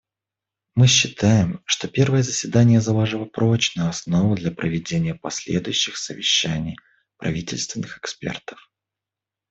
Мы считаем, что первое заседание заложило прочную основу для проведения последующих совещаний правительственных экспертов.